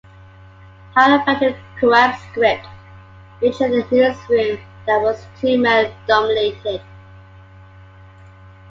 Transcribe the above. Howard felt the Koepps' script featured a newsroom that was too male-dominated.